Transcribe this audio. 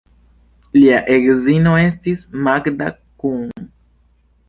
Lia edzino estis Magda Kun.